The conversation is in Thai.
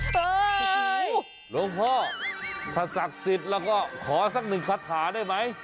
โอ้โหหลวงพ่อถ้าศักดิ์สิทธิ์แล้วก็ขอสักหนึ่งคาถาได้ไหม